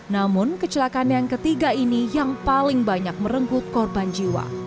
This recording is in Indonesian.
namun kecelakaan yang ketiga ini yang paling banyak merenggut korban jiwa